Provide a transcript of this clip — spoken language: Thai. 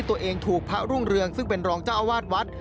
ตัวเองถูกพระรุ่งเรืองซึ่งเป็นรองเจ้าอาวาสวัด